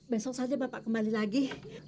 besok saja bapak kembali lagi